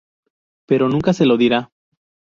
Pero nunca se lo dirá.